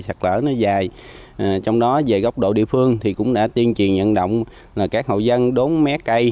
sạt lở nó dài trong đó về góc độ địa phương thì cũng đã tiên truyền nhận động là các hộ dân đốn mé cây